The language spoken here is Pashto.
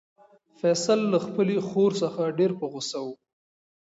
فیصل له خپلې خور څخه ډېر په غوسه و.